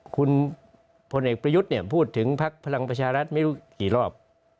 คุณพลเอกประยุทธ์เนี่ยพูดถึงพักพลังประชารัฐไม่รู้กี่รอบ